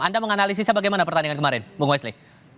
anda menganalisisnya bagaimana pertandingan kemarin bung westli